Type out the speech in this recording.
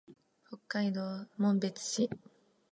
北海道紋別市